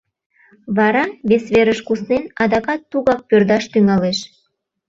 Вара, вес верыш куснен, адакат тугак пӧрдаш тӱҥалеш.